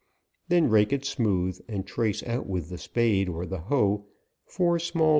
Then rake it smooth, and trace out with the spade or the hoe, four small 60 . APRIL.